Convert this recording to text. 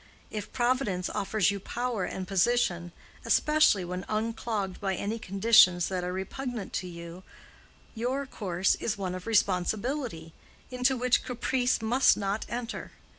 If Providence offers you power and position—especially when unclogged by any conditions that are repugnant to you—your course is one of responsibility, into which caprice must not enter.